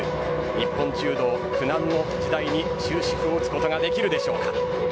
日本柔道、苦難の時代に終止符を打つことができるでしょうか。